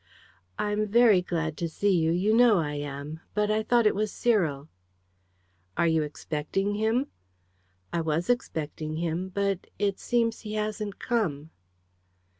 "I'm very glad to see you you know I am; but I thought it was Cyril." "Are you expecting him?" "I was expecting him, but it seems he hasn't come."